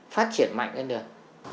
phát triển mạnh lên được